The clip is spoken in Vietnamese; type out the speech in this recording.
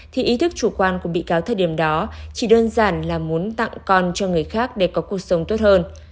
thì ý thức chủ quan của bị cáo thời điểm đó chỉ đơn giản là muốn tặng con cho người khác để có cuộc sống tốt hơn